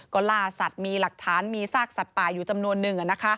ก็ล่าสัตว์มีหลักฐานมีซากสัตว์ป่าอยู่จำนวนหนึ่ง